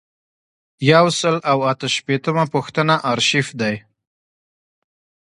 یو سل او اته شپیتمه پوښتنه آرشیف دی.